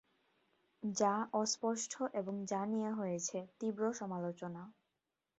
যা অস্পষ্ট এবং যা নিয়ে হয়েছে তীব্র সমালোচনা।